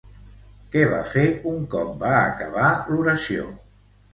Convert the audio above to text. Què va fer un cop va acabar l'oració?